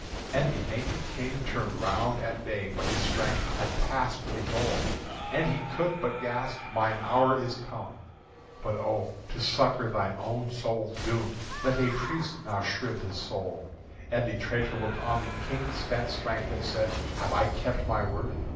And the naked King turned round at bay, But his strength had passed the goal, And he could but gasp: "Mine hour is come; But oh! to succour thine own soul's doom, Let a priest now shrive my soul!" And the traitor looked on the King's spent strength And said: "Have I kept my word?